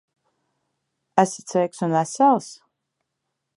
Esat sveiks un vesels?